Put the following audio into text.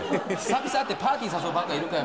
久々会ってパーティー誘うバカいるかよ。